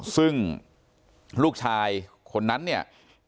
ซึ่งลูกชายคนนั้นเนี่ย